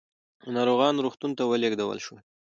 ناروغان روغتون ته ولېږدول شول.